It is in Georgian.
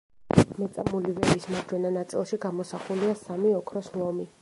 მეწამული ველის მარჯვენა ნაწილში გამოსახულია სამი ოქროს ლომი.